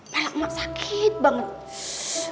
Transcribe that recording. malah mah sakit banget